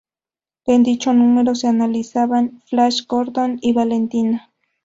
En dicho número se analizaban "Flash Gordon" y "Valentina".